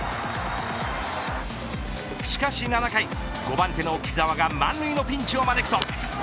しかし７回５番手の木澤が満塁のピンチを招くと。